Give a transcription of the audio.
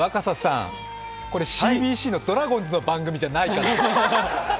ＣＢＣのドラゴンズの番組じゃないですから。